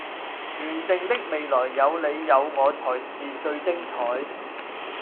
原定的未來有你有我才是最精彩